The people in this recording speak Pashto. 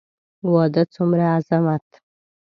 واه څومره عظمت.